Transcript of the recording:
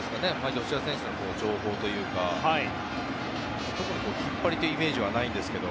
吉田選手の情報というか特に引っ張りというイメージはないんですが。